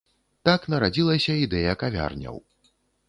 Так нарадзілася ідэя кавярняў.